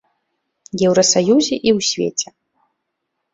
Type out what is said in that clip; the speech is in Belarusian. Еўрасаюзе і ў свеце.